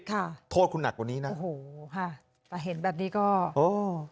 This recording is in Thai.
โทษคุณหนักกว่านี้นะโอ้โหค่ะแต่เห็นแบบนี้ก็โอ้